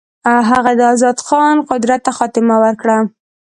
هغه د آزاد خان قدرت ته خاتمه ورکړه.